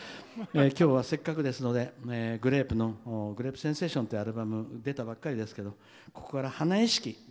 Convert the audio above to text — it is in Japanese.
今日はせっかくですのでグレープの「グレープセンセーション」というアルバムが出たばかりですけどここから「花会式」。